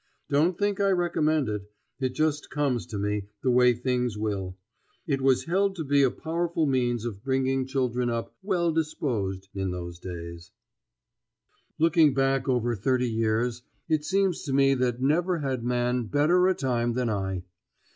Don't think I recommend it. It just comes to me, the way things will. It was held to be a powerful means of bringing children up "well disposed" in those days. [Illustration: Christmas Eve with the King's Daughters] Looking back over thirty years it seems to me that never had man better a time than I.